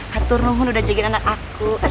hatur nohon udah jagain anak aku